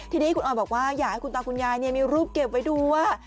ทีนี้คุณออยบอกว่าอยากให้คุณตาคุณยายมีรูปเก็บไว้ดูว่า